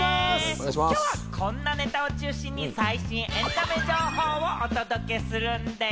きょうはこんなネタを中心に最新エンタメ情報をお届けするんでぃす。